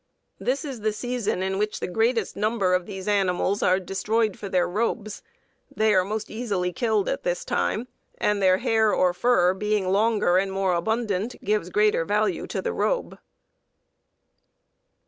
] This is the season in which the greatest number of these animals are destroyed for their robes; they are most easily killed at this time, and their hair or fur, being longer and more abundant, gives greater value to the robe."